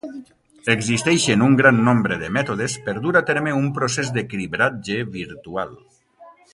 Existeixen un gran nombre de mètodes per dur a terme un procés de cribratge virtual.